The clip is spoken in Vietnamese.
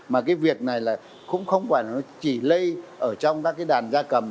mà cái việc này là cũng không phải là nó chỉ lây ở trong các cái đàn ra cầm